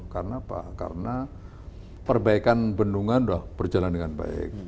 karena apa karena perbaikan bendungan berjalan dengan baik